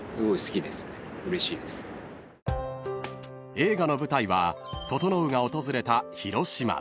［映画の舞台は整が訪れた］